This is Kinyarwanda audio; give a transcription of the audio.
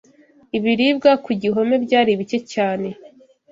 Ibiribwa ku gihome byari bike cyane.